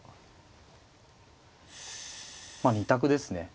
まあ２択ですね。